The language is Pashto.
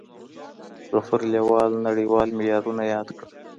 غفور لیوال نړیوال معیارونه یاد کړل.